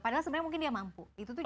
padahal sebenarnya mungkin dia mampu